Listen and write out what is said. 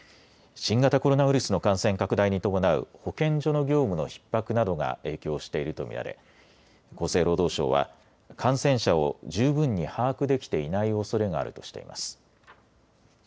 新型コロナウイルスの感染拡大に伴う保健所の業務のひっ迫などが影響していると見られ厚生労働省は感染者を十分に把握できていないおそれがあるとしています。